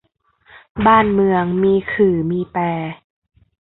บ้านเมืองมีขื่อมีแป